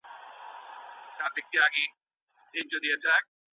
که د ټولني غړي یو بل ته درناوی وکړي، نو شخړې نه رامنځته کیږي.